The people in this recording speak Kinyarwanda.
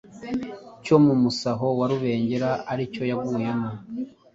cyo mu Musaho wa Rubengera ari cyo yaguyemo